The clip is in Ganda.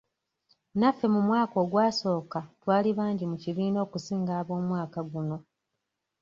Naffe mu mwaka ogwasooka twali bangi mu kibiina okusinga ab'omwaka guno.